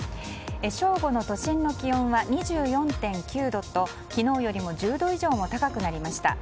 正午の都心の気温は２４．９度と昨日よりも１０度以上も高くなりました。